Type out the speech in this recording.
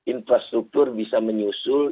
infrastruktur bisa menyusul